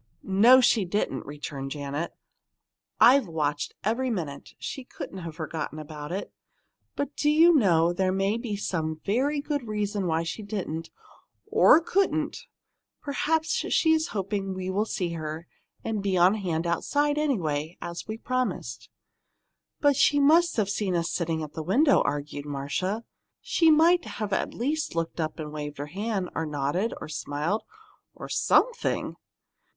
"No, she didn't," returned Janet. "I've watched every minute. She couldn't have forgotten it. But, do you know, there may be some very good reason why she didn't or couldn't and perhaps she's hoping we'll see her, and be on hand outside, anyway, as we promised." "But she must have seen us sitting in the window," argued Marcia. "She might at least have looked up and waved her hand, or nodded, or smiled or something!"